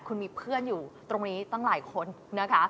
คุณมีเพื่อนอยู่ตรงนี้ตั้งหลายคนนะคะ